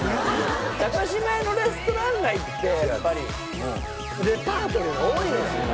島屋のレストラン街ってやっぱりデパートの方が多いよ。